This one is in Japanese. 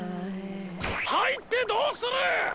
入ってどうする！？